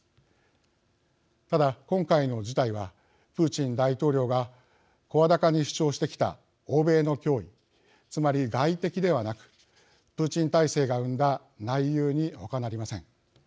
ただ、今回の事態はプーチン大統領が声高に主張してきた欧米の脅威つまり、外敵ではなくプーチン体制が生んだ内憂にほかなりません。